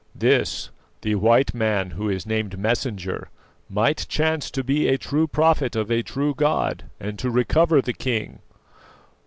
"This: the white man who is named Messenger might chance to be a true prophet of a true God, and to recover the king."